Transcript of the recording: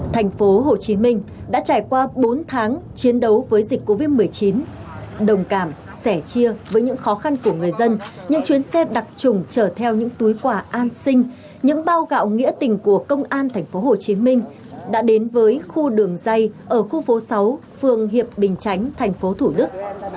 thành phố hồ chí minh đã trải qua bốn tháng chiến đấu với dịch covid một mươi chín đồng cảm sẻ chia với những khó khăn của người dân những chuyến xe đặc trùng chở theo những túi quà an sinh những bao gạo nghĩa tình của công an thành phố hồ chí minh đã đến với khu đường dây ở khu phố sáu phường hiệp bình chánh thành phố thủ đức